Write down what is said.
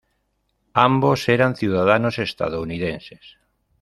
Ambos eran ciudadanos estadounidenses.